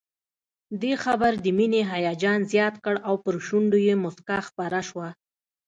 دې خبر د مينې هيجان زيات کړ او پر شونډو يې مسکا خپره شوه